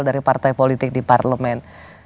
dari partai politik di parlemen